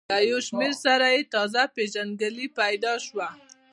له یو شمېر سره مې تازه پېژندګلوي پیدا شوه.